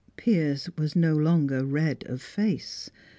Piers was no longer red of face.